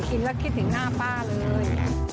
กินแล้วคิดถึงหน้าป้าเลย